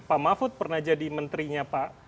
pak mahfud pernah jadi menterinya pak